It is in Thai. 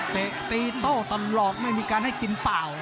ตีนโต้ตลอดไม่มีการให้กินเปล่า